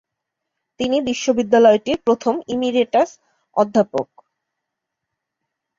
তিনি বিশ্ববিদ্যালয়টির প্রথম ইমেরিটাস অধ্যাপক।